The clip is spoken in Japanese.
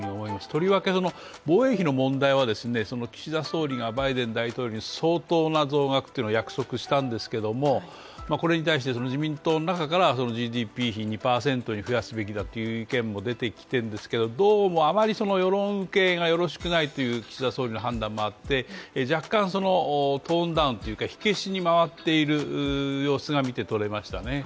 とりわけ、防衛費の問題は岸田総理がバイデン大統領に相当な増額というのを約束したんですけれどもこれに対して自民党の中からＧＤＰ比２％に増やすべきだという意見も出ているんですけれども、どうもあまり世論受けがよろしくないという岸田総理の判断もあって、若干トーンダウン、火消しに回っている様子が見てとれましたね。